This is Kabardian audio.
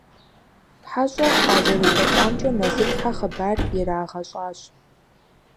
ХьэщӀэ къазэрыхуэкӀуамкӀэ Мэзытхьэ хъыбар ирагъэщӀащ.